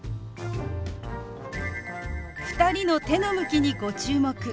２人の手の向きにご注目。